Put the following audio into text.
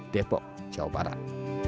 depok jawa barat